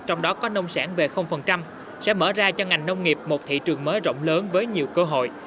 trong đó có nông sản về sẽ mở ra cho ngành nông nghiệp một thị trường mới rộng lớn với nhiều cơ hội